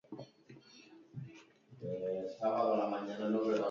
Sari polita izan da partida bikain hasi duen talde bilbotarrarentzat.